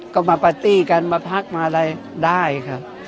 ก็มาปาร์ตี้กันมาพักมาอะไรได้ครับ